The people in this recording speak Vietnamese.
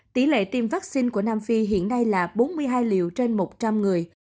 tỷ lệ tiêm vaccine của nam phi hiện nay là bốn mươi hai liều trên một trăm linh người